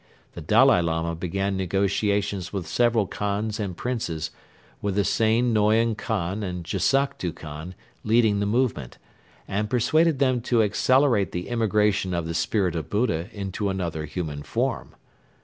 The Dalai Lama began negotiations with several Khans and Princes with the Sain Noion Khan and Jassaktu Khan leading the movement and persuaded them to accelerate the immigration of the Spirit of Buddha into another human form.